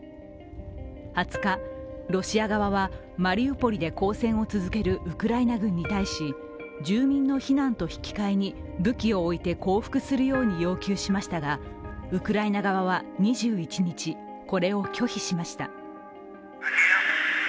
２０日、ロシア側はマリウポリで抗戦を続けるウクライナ軍に対し住民の避難と引き換えに武器を置いて降伏するよう要求しましたが、ウクライナ側は２１日、これを拒否しました。